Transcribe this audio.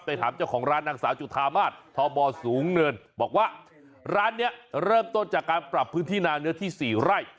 ถามเจ้าของร้านนางสาวจุธามาศทบสูงเนินบอกว่าร้านนี้เริ่มต้นจากการปรับพื้นที่นาเนื้อที่๔ไร่